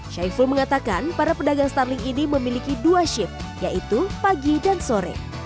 syaiful mengatakan para pedagang starling ini memiliki dua shift yaitu pagi dan sore